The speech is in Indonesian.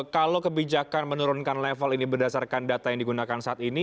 kalau kebijakan menurunkan level ini berdasarkan data yang digunakan saat ini